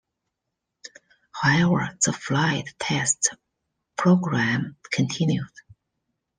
However the flight test program continued.